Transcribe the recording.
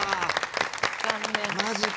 マジか。